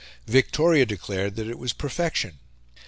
Victoria declared that it was perfection.